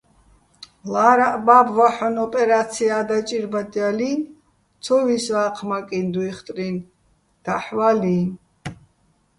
ლა́რაჸ ბა́ბო̆ ვაჰ̦ონ ოპერა́ცია დაჭირბადჲალინი̆, ცო ვისვა́ჴმაკიჼ დუჲხტრინ, დაჰ̦ ვალიჼ.